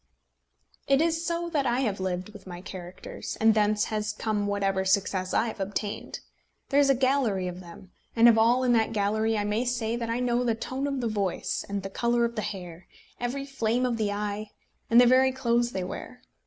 It is so that I have lived with my characters, and thence has come whatever success I have obtained. There is a gallery of them, and of all in that gallery I may say that I know the tone of the voice, and the colour of the hair, every flame of the eye, and the very clothes they wear.